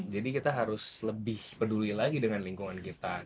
jadi kita harus lebih peduli lagi dengan lingkungan kita